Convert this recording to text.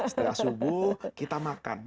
setelah subuh kita makan